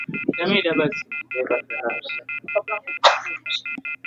allah ndiye mola anayepaswa kuabudiwa pekee